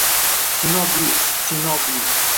Sino buyuk, Sino buyuk!